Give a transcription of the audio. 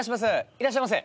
いらっしゃいませ。